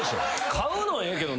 飼うのはええけど。